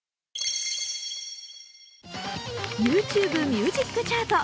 ＹｏｕＴｕｂｅミュージックチャート